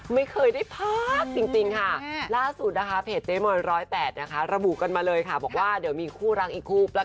ไม่เคยได้พลาดดูจริงค่ะ